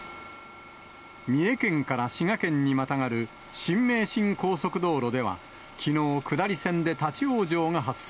三重県から滋賀県にまたがる新名神高速道路では、きのう、下り線で立往生が発生。